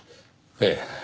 ええ。